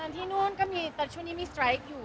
ตอนที่นู่นก็ช่วงนี้มีสตรโรคอยู่